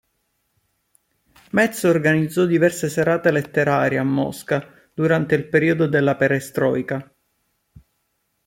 Mets organizzò diverse serate letterarie a Mosca durante il periodo delle perestroika.